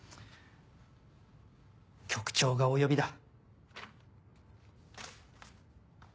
局長がお呼びだ。